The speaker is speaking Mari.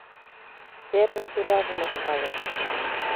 Сержын туражым ок пале.